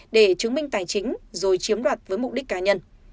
để chứng minh tài chính rồi chiếm đoạt với mục đích cá nhân